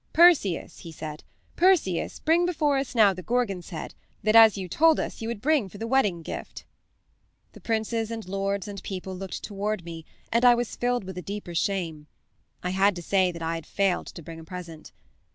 'Perseus,' he said, 'Perseus, bring before us now the Gorgon's head that, as you told us, you would bring for the wedding gift.' "The princes and lords and people looked toward me, and I was filled with a deeper shame. I had to say that I had failed to bring a present.